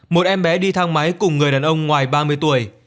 một em bé đi thang máy cùng người đàn ông ngoài ba mươi tuổi